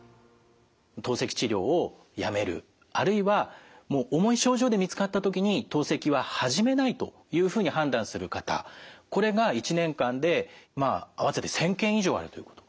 透析治療をやめるあるいは重い症状で見つかった時に透析は始めないというふうに判断する方これが１年間で合わせて１，０００件以上あるということ。